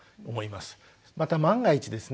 また万が一ですね